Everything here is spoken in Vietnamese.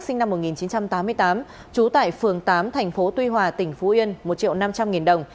sinh năm một nghìn chín trăm tám mươi tám trú tại phường tám thành phố tuy hòa tỉnh phú yên một triệu năm trăm linh nghìn đồng